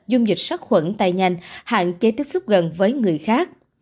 dung dịch sát khuẩn tay nhanh hạn chế tiếp xúc gần với người khác